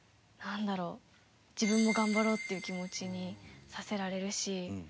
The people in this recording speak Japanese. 自分も頑張ろうっていう気持ちにさせられるし。